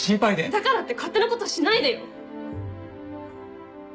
だからって勝手なことしないでよ！